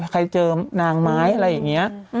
ใครเจอนางไม้อะไรอย่างนี้